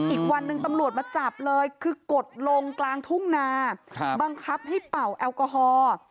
อีกวันหนึ่งตำรวจมาจับเลยคือกดลงกลางทุ่งนาบังคับให้เป่าแอลกอฮอล์